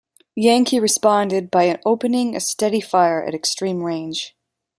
Yankee responded by opening a steady fire at extreme range.